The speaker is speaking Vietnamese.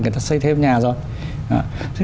người ta xây thêm nhà rồi